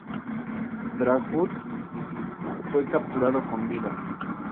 Dragut fue capturado con vida.